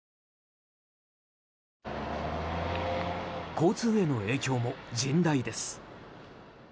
交通への影響も甚大です。